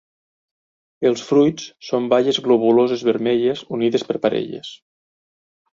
Els fruits són baies globuloses vermelles, unides per parelles.